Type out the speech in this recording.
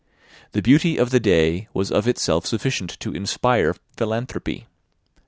The beauty of the day was of itself sufficient to inspire philanthropy.